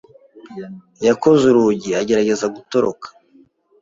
Yakoze urugi agerageza gutoroka.